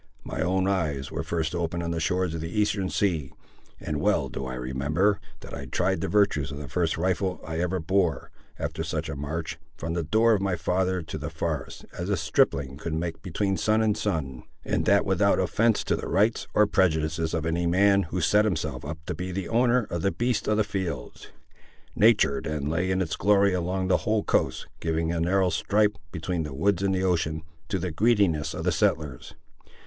My own eyes were first opened on the shores of the Eastern sea, and well do I remember, that I tried the virtues of the first rifle I ever bore, after such a march, from the door of my father to the forest, as a stripling could make between sun and sun; and that without offence to the rights, or prejudices, of any man who set himself up to be the owner of the beasts of the fields. Natur' then lay in its glory along the whole coast, giving a narrow stripe, between the woods and the ocean, to the greediness of the settlers.